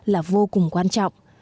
là vô cùng quan trọng